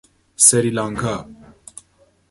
سریلانکا